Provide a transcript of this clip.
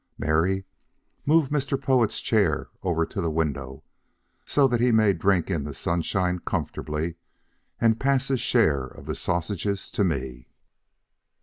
Mary, move Mr. Poet's chair over to the window so that he may drink in the sunshine comfortably, and pass his share of the sausages to me."